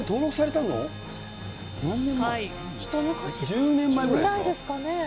１０年前ぐらいですかね。